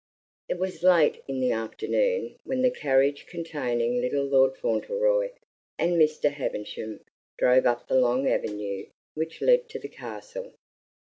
V It was late in the afternoon when the carriage containing little Lord Fauntleroy and Mr. Havisham drove up the long avenue which led to the castle.